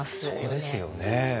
そこですよね。